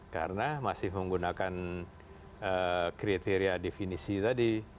karena masih menggunakan kriteria definisi tadi